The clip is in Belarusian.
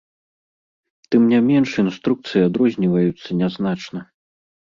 Тым не менш інструкцыі адрозніваюцца нязначна.